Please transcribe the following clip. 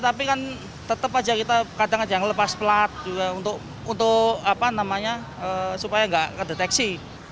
ya tapi kan tetap saja kita kadang kadang lepas pelat juga untuk supaya tidak kedeteksi